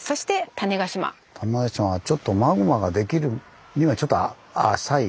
種子島はちょっとマグマができるにはちょっと浅い。